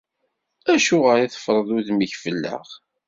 Acuɣer i teffreḍ udem-ik fell-aɣ?